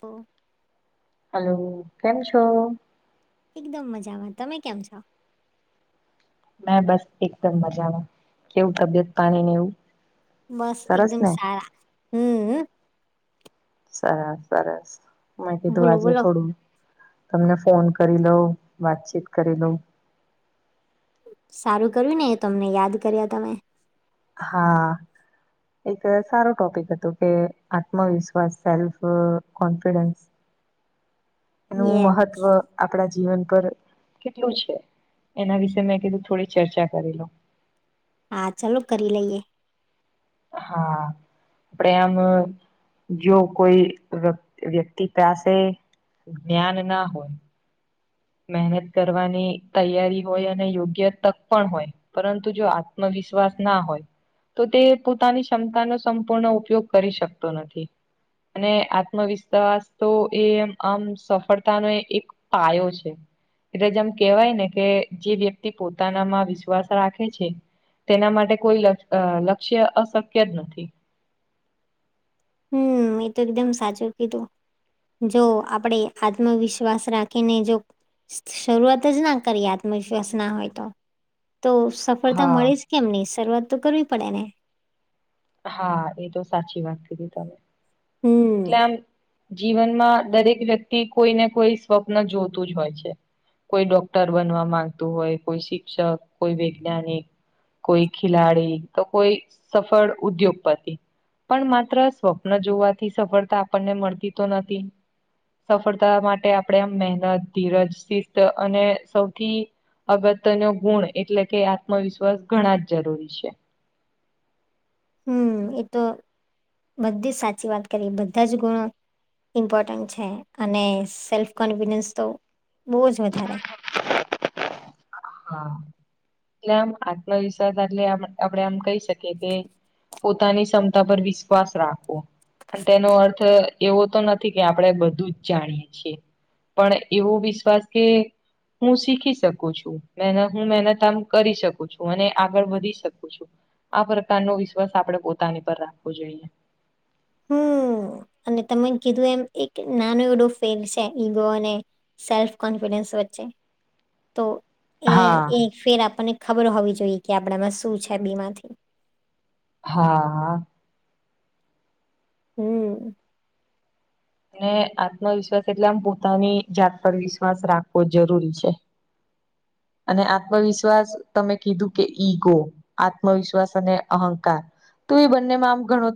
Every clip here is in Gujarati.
તો હલો, કેમ છો? એકદમ મજામાં. તમે કેમ છો? મે બસ એકદમ મજામાં. કેવું તબિયત પાણી ને એવું? બસ સરસ એકદમ ને સારા હમ. સરસ સરસ. બોલો માહીધવાજે બોલો થોડું તમને ફોન કરી લઉ. વાતચીત કરી લઉં. સારું કર્યુંને એ તમને યાદ કર્યા. તમે હા. એક સારો ટોપિક હતો કે, આત્મવિશ્વાસ સેલ્ફ કોન્ફિડન્સ એનું યે મહત્વ આપણા જીવન પર કેટલું છે, એના વિશે મેં કીધું. થોડી ચર્ચા કરી લો. હા, ચાલો કરી લઈએ. હા. આપણે આમ જો કોઈ વ્યક્તિ પાસે ન હોય મહેનત કરવાની તૈયારી હોય અને યોગ્ય તક પણ હોય. પરંતુ જો આત્મવિશ્વાસ ના હોય. તો તે પોતાની ક્ષમતાનો સંપૂર્ણ ઉપયોગ કરી શકતો નથી. અને આત્મવિશ્વાસ તો, એમ આમ સફળતાનો એક પાયો છે. એટલે જેમ કેવાયને, જે વ્યક્તિ પોતાનામાં વિશ્વાસ રાખે છે. તેના માટે કોઈ લક્ષ્ય અશક્ય જ નથી. હમ એ તો એકદમ સાચું કીધું જો આપણેે આત્મવિશ્વાસ રાખીને જો શરૂઆત જ ના કરી આત્મવિશ્વાસ ના હોય તો તો સફળતા હા મળે જ કે એમની શરૂઆત તો કરવી પડે હા એ તો સાચી વાત કીધી તમે હમ એટલેમ જીવનમાં દરેક વ્યક્તિ કોઈને કોઈ સ્વપ્ન જોતું જ હોય છે. કોઈ ડોક્ટર બનવા માંગતું હોય, કોઈ શિક્ષક, કોઈ વૈજ્ઞાનિક. કોઈ ખેલાડી, તો કોઈ સફળ, ઉદ્યોગપતિ. પણ માત્ર સ્વપ્ન જોવાથી સફળતા આપણને મળતી તો નથી. સફળતા માટે આપણે આમ મહેનત ધીરજ શિસ્ત અને સૌથી. અગત્ય ન ગુણ એટલે કે આત્મવિશ્વાસ ઘણા જ જરૂરી છે. હમ એ તો બધી જ સાચી વાત કરી બધા જ ગુણો ઇમ્પોર્ટન્ટ છે અને સેલ્ફ કોન્ફિડન્સ તો બહુ જ વધારે. હા એટલે આમ આત્મવિશ્વાસ અટલે આપડે આમ કહી શકીએ કે. પોતાની ક્ષમતા પર વિશ્વાસ રાખો. અને તેનો અર્થ એવો તો નથી કે આપણે બધું જ જાણીએ છીએ. પણ એવો વિશ્વાસ કે હું શીખી શકું છું. મહેનત હું મહેનત આમ કરી શકું છું અને આગળ વધી શકું છું આ પ્રકારનો વિશ્વાસ આપડે પોતાની પર રાખવો જોઈએ. [inaudible] હમ્મ અને તમે કીધું એમ એક નાનો એવડો ફેરછે ઈગો અને. સેલ્ફ કોન્ફિડન્સ વચ્ચે તો એ હા એક ફેર આપણને ખબર હોવી જોઈએ કે આપડામાં શું છે બે માંથી. હા આ આ. હમ અને આત્મવિશ્વાસ એટલે આમ પોતાની જાત પર વિશ્વાસ રાખવો જરૂરી છે. અને આત્મવિશ્વાસ તમે કીધું કે ઈગો. આત્મવિશ્વાસ અને અહંકાર તો એ બંનેમાં આમ ઘણો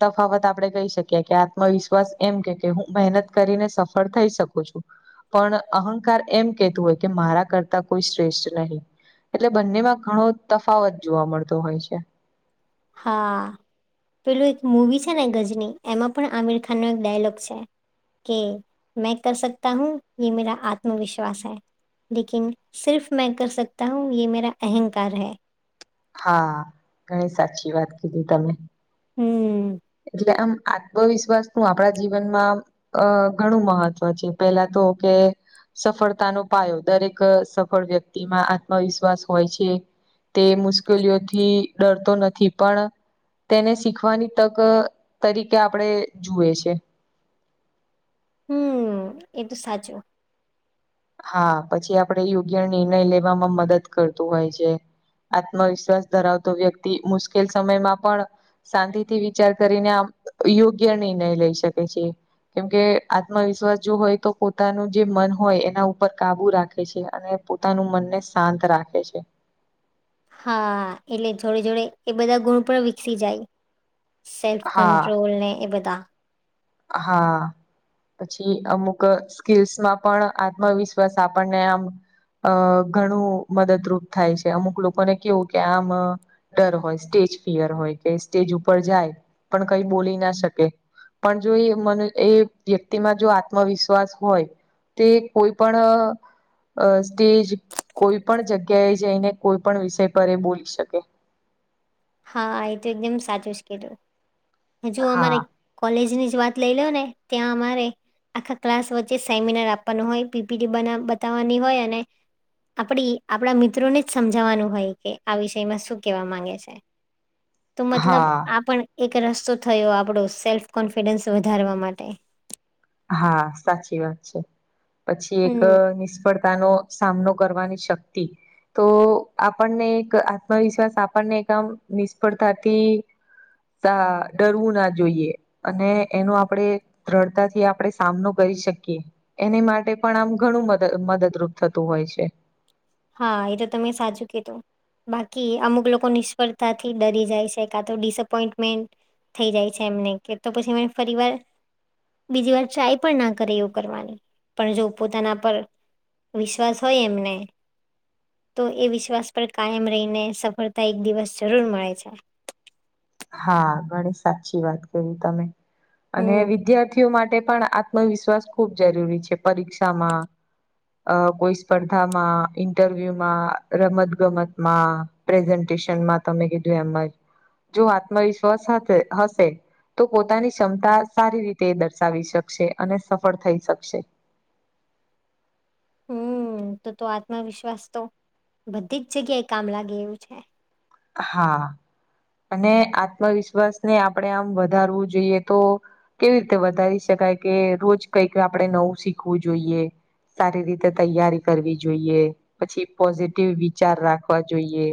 તફાવત આપડે કહી શકીએ કે આત્મવિશ્વાસ એમ કે કે હું મહેનત કરીને સફળ થઈ શકું છું પણ અહંકાર એમ કેતું હોય કે મારા કરતા કોઈ શ્રેષ્ઠ નહીં એટલે બંનેમાં ઘણો તફાવત જોવા મળતો હોય છે હા પેલું એક મૂવી છે ને ગજની એમાં પણ આમિર ખાનનો એક ડાયલોગ છે કે મેં કર સકતા હું યે મેરા આત્મવિશ્વાસ હૈ લેકિન સિર્ફ મેં કર સકતા હું એ મેરા અહંકાર હૈ હા ઘણી સાચી વાત કીધી તમે હમ્મ એટલે આમ આત્મવિશ્વાસ હું આપણા જીવનમાં અ ઘણું મહત્વ છે પેલા તો કે સફળતાનો પાયો દરેક સફળ વ્યક્તિમાં આત્મવિશ્વાસ હોય છે તે મુશ્કેલીઓથી ડરતો નથી પણ તેને શીખવાની તક તરીકે આપણેે જુએ છે હમ એ તો સાચું હા પછી આપડે યોગ્ય નિર્ણય લેવામાં મદદ કરતું હોય છે આત્મવિશ્વાસ ધરાવતો વ્યક્તિ મુશ્કેલ સમયમાં પણ શાંતિથી વિચાર કરીને આમ યોગ્ય નિર્ણય લઈ શકે છે કેમકે આત્મવિશ્વાસ જો હોય તો પોતાનું જે મન હોય એ એના ઉપર કાબુ રાખે છે અને પોતાનું મનને શાંત રાખે છે હા એટલે જોડે જોડે બધા ગુણ પણ વિકસી જાય સેલ્ફ હા કંટ્રોલ ને એ બધા હા. પછી અમુક સ્કીલ્સમાં પણ આત્મવિશ્વાસ આપણને આમ અ ઘણું મદદરૂપ થાય છે અમુક લોકોને કેવું કે આમ ડર હોય સ્ટેજ ફિયર હોય કે સ્ટેજ ઉપર જાય પણ કઈ બોલી ના શકે. પણ જો એ મને એ વ્યક્તિમાં જો આત્મવિશ્વાસ હોય. તે કોઈ પણ અ સ્ટેજ કોઈ પણ જગ્યાએ જઈને કોઈ પણ વિષય પર એ બોલી શકે. હા એ તો એકદમ સાચું જ કધું હજુ અમારે હા કોલેજની જ વાત લઈ લો ને ત્યાં અમારે આખા ક્લાસ વચ્ચે સેમિનાર આપવાનું હોય પીપીટી બના બતાવવાની હોય અને આપડી આપણા મિત્રોને જ સમજાવાનું હોય કે આ વિષયમાં શું કેવા માંગે છે. તો મતલબ હા આ પણ એક રસ્તો થયો આપણો સેલ્ફ કોન્ફિડન્સ વધારવા માટે હા સાચી વાત છે પછી એક હમ નિષ્ફળતાનો સામનો કરવાની શક્તિ તો આપણને એક આત્મવિશ્વાસ આપણને એક આમ નિષ્ફળતાથી તા ડરવું ના જોઈએ અને એનું આપણે દ્વઢતાથી આપણે સામનો કરી શકીએ એની માટે પણ આમ ઘણું મદદ મદદરૂપ થતું હોય છે. હા એ તો તમે સાચું કીધું. બાકી અમુક લોકો નિષ્ફળતાથી ડરી જાય છે કા તો ડિસઅપોઈન્ટમેન્ટ થઈ જાય કે એમને કે તો પછી ફરી વાર બીજી વાર ટ્રાય પણ ના કરે એ કરવાની પણ જો પોતાના પર વિશ્વાસ હોય એમને તો એ વિશ્વાસ પર કાયમ રહીને સફળતા એક દિવસ જરૂર મળે છે. હા ગણી સાચી વાત કહી તમે અને હમ. વિદ્યાર્થીઓ માટે પણ આ આત્મવિશ્વાસ ખુબ જરૂરી છે પરીક્ષામાં અ કોઈ સ્પર્ધામાં ઇન્ટરવ્યુમાં રમત ગમતમાં પ્રેઝન્ટેશનમાં તમે કીધું એમ જ. જો આત્મવિશ્વાસ હશે હશે તો પોતાની ક્ષમતા સારી રીતે દર્શાવી શકશે અને સફળ થઈ શકશે હમ તો તો આત્મવિશ્વાસ તો બધી જ જગ્યાએ કામ લાગે એવું છે. હા. અને આત્મવિશ્વાસને આપણેે આમ વધારવું જોઈએ તો કેવી રીતે વધારી શકાય કે રોજ કઈક આપણે નવું શીખવું જોઈએ. સારી રીતે તૈયારી કરવી જોઈએ પછી પોઝિટિવ વિચાર રાખવા જોઈએ.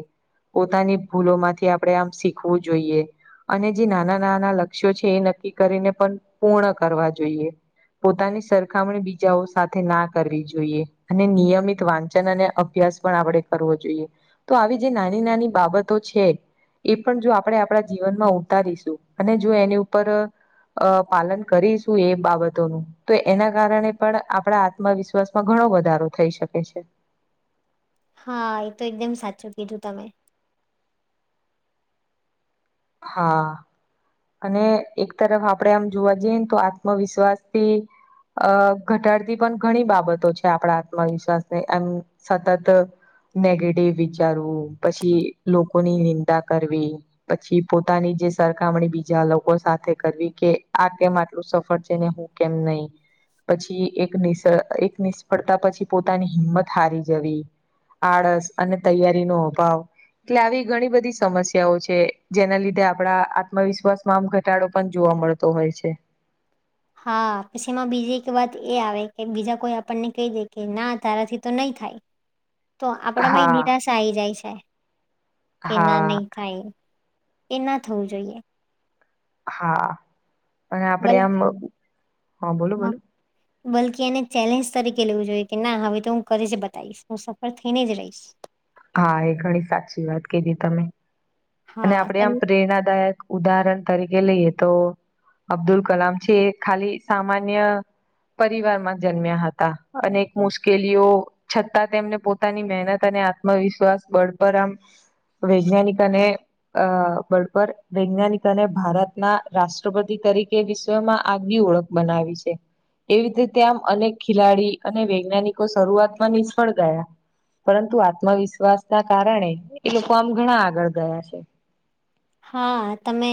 પોતાની ભૂલોમાંથી આપડે આમ શીખવું જોઈએ. અને જે નાના નાના લક્ષ્યો છે એ નક્કી કરીને પણ પૂર્ણ કરવા જોઈએ. પોતાની સરખામણી બીજાઓ સાથે ના કરવી જોઈએ અને નિયમિત વાંચન અને અભ્યાસ પણ આપણે કરવો જોઈએ તો આવી જે નાની નાની બાબતો છે એ પણ જો આપણે આપણા જીવનમાં ઉતારીશું અને જો એની ઉપર અ પાલન કરીશું એ બાબતોનું તો એના કારણે પણ આપણા મા વિશ્વાસમાં ઘણો વધારો થઈ શકે છે. હા એ તો એકદમ સાચું કીધું તમે. હા. અને એક તરફ આપણેે આમ જોવા જઈએ ને તો આત્મવિશ્વાસથી અ ઘટાડતી પણ ઘણી બાબતો છે આપણા આત્મવિશ્વાસ ને એમ સતત નેગેટિવ વિચારો પછી લોકોની નીંદા કરવી પછી પોતાની જે સરખામણી બીજા લોકો સાથે કરવી કે આ કેમ આટલું સફળ છે ને હું કેમ નહી પછી એક નિશ એક નિષ્ફળતા પછી પોતાની હિંમત હારી જવી આળસ અને તૈયારીનો અભાવ એટલે આવી ઘણી બધી સમસ્યાઓ છે જેના લીધે આપડા આત્મવિશ્વાસમાં આમ ઘટાડો પણ જોવા મળતો હોય છે હા પછી એમાં બીજી એક વાત એ આવે કે બીજા કોઈ આપણને કહી દે કે ના તારાથી તો નહી થાય હ [inaudible] તો આપડામાં એ નિરાશા આઈ જાય છે કે ના હા નહી થાય એ ના થવું જોઈએ હા અને આપડે બલ આમ હા હા બોલો બોલો બલકી એને ચેલેન્જ તરીકે લેવું જોઈએ કે ના હવે તો હું કરીશ જ બતાવીશ હું સફર થઈને જ રહીશ હા એ ઘણી સાચી વાત કીધી તમે અને હા આપડે તમ આમ પ્રેરણાદાયક ઉદાહરણ તરીકે લઈએ તો અબ્દુલ કલામ છે એ ખાલી સામાન્ય પરિવારમાં જન્મ્યા હતા અનેક મુશ્કેલીઓ છતાં તેમને પોતાની મહેનત અને આત્મવિશ્વાસ બળ પર આમ વૈજ્ઞાનિક અને અ બડ પર વૈજ્ઞાનિક અને ભારતના રાષ્ટ્રપતિ તરીકે વિષ્વમાં આગવી ઓળખ બનાવી છે એવી રીતે આમ અનેક ખિલાડી અને વૈજ્ઞાનિકો શરૂઆતમાં નિષ્ફળ ગયા પરંતુ આત્મવિશ્વાસના કારણે એ લોકો આમ ઘણા આગળ ગયા છે હા તમે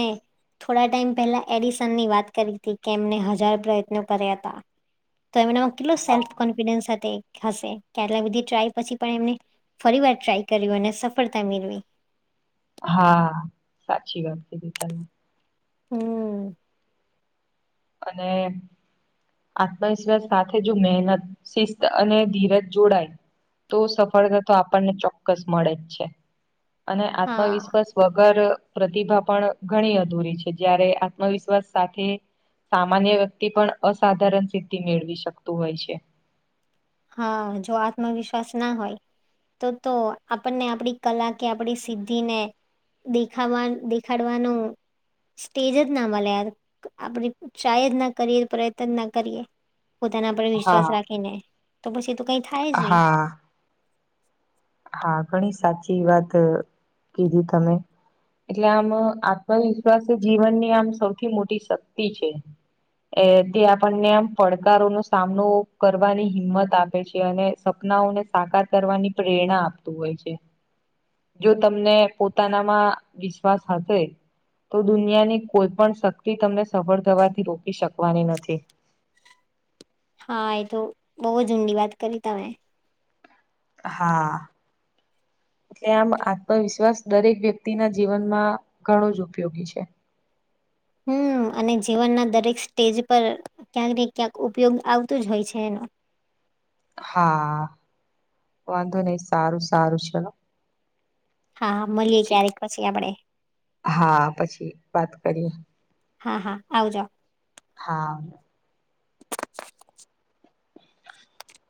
થોડા ટાઈમ પહેલા એડિસનની વાત કરી હતી કે એમને હજાર પ્રયત્નો કર્યા હતા તો એમનામાં કેટલુ સેલ્ફ હા કોન્ફિડન્સ સાથે હશે કે આટલા બધી ટ્રાય પછી પણ એમને ફરી વાર ટ્રાય કર્યું અને સફળતા મેળવી હા સાચી વાત કીધી તમે હમ અને આત્મવિશ્વાસ સાથે જો મહેનત શિસ્ત અને ધીરજ જોડાય તો સફળતા તો આપણને ચોક્કસ મળે જ છે અને હા આત્મવિશ્વાસ વગર પ્રતિભા પણ ઘણી અધૂરી છે જયારે આત્મવિશ્વાસ સાથે સામાન્ય વ્યક્તિ પણ અસાધારણ સિદ્ધિ મેળવી શકતું હોય છે હા જો આત્મવિશ્વાસ ના હોય તો તો આપણને આપડી કલા કે આપણી સિદ્ધિને દેખાવા દેખાડવાનું સ્ટેજ જ ના મળે યાર આપણે ટ્રાય જ ના કરીએ પ્રયત્ન જ ના કરીએ પોતાના પર વિશ્વાસ હા રાખીને તો પછી એ તો કઈ થાય જ નહી હા હા ઘણી સાચી વાત કીધી તમે એટલે આમ આત્મવિશ્વાસ જીવનની આમ સૌથી મોટી શક્તિ છે એ તે આપડને આમ પડકારોનો સામનો કરવાની હિંમત આપે છે અને સપનાઓને સાકાર કરવાની પ્રેરણા આપતું હોય છે જો તમને પોતાનામાં વિશ્વાસ હશે તો દુનિયાની કોઈ પણ શક્તિ તમને સફળ થવાથી રોકી શકવાની નથી હા એ તો બહુ જ ઊંડી વાત કરી તમે હા, કે આમ આત્મવિશ્વાસ દરેક વ્યક્તિના જીવનમાં ઘણો જ ઉપયોગી છે. હમ અને જીવનના દરેક સ્ટેજ પર ક્યાંક ને ક્યાંક ઉપયોગ આવતું જ હોય છે એનો હા, વાંધો નહીં સારું સારું હા, મળીએ ક્યારેક પછી આપડે હા, પછી વાત કરીએ હા, હા, આવજો હા, [inaudible]